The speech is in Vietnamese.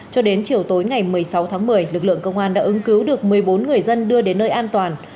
cho đến chiều tối ngày một mươi sáu tháng một mươi lực lượng công an đã ứng cứu được một mươi bốn người dân đưa đến nơi an toàn